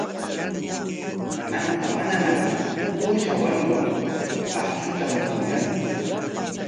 Kananqa manañam uusha wanuwan akshuta muruyantsu.